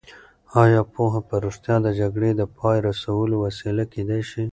ایا پوهنه په رښتیا د جګړې د پای ته رسولو وسیله کېدای شي؟